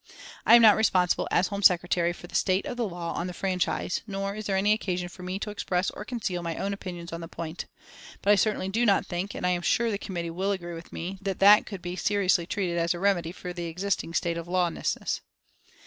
I am not responsible, as Home Secretary, for the state of the law on the franchise, nor is there any occasion for me to express or conceal my own opinions on the point; but I certainly do not think, and I am sure the Committee will agree with me, that that could be seriously treated as a remedy for the existing state of lawlessness."